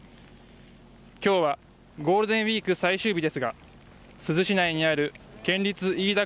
今日はゴールデンウイーク最終日ですが珠洲市内にある県立飯田